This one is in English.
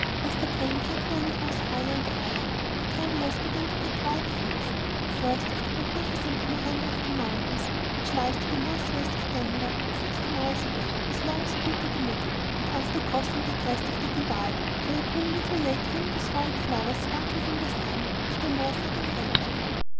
As the train gradually rose higher and higher, the travellers began to get wide views, first of the magnificent panorama of mountains which lies to the northwest of Denver, sixty miles away, with Long's Peak in the middle, and after crossing the crest of the "Divide," where a blue little lake rimmed with wild flowers sparkled in the sun, of the more southern ranges.